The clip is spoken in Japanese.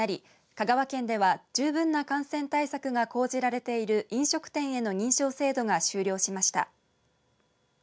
香川県では十分な感染対策が講じられている飲食店への認証制度が終了しました。